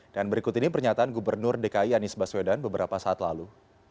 dan berikut ini pernyataan gubernur dki anies baswedan beberapa saat lalu